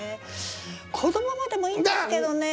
このままでもいいんですけどね。